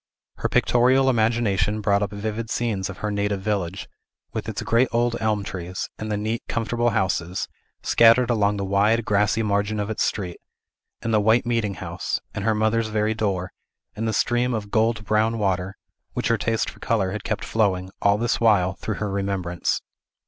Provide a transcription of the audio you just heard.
Her pictorial imagination brought up vivid scenes of her native village, with its great old elm trees; and the neat, comfortable houses, scattered along the wide, grassy margin of its street, and the white meeting house, and her mother's very door, and the stream of gold brown water, which her taste for color had kept flowing, all this while, through her remembrance.